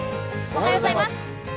おはようございます。